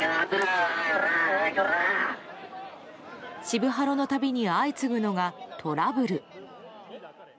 渋ハロの度に相次ぐのが、トラブル。